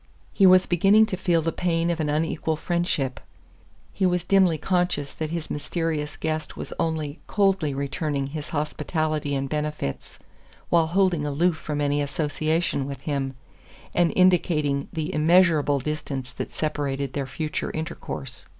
He was beginning to feel the pain of an unequal friendship; he was dimly conscious that his mysterious guest was only coldly returning his hospitality and benefits, while holding aloof from any association with him and indicating the immeasurable distance that separated their future intercourse.